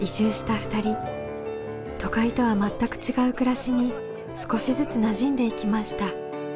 都会とは全く違う暮らしに少しずつなじんでいきました。